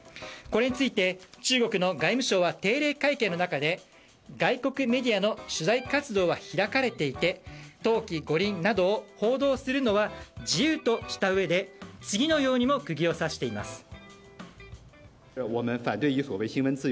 これについて中国の外務省は定例会見の中で外国メディアの取材活動は開かれていて冬季五輪などを報道するのは自由としたうえで次のようにも釘を刺しています。